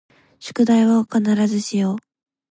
宿題を必ずしよう